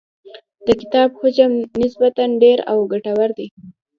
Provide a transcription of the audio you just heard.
د کتاب حجم نسبتاً ډېر او ګټور دی.